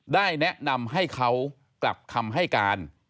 ได้แนะนำให้เขากลับคำให้การ